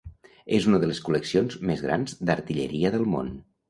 És una de les col·leccions més grans d'artilleria del món.